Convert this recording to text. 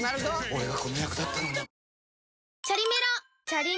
俺がこの役だったのにジャーン！